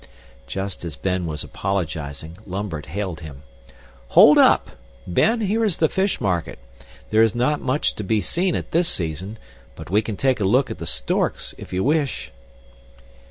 Just as Ben was apologizing, Lambert hailed him. "Hold up! Ben, here is the fish market. There is not much to be seen at this season. But we can take a look at the storks if you wish."